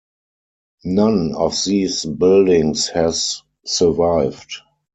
None of these buildings has survived.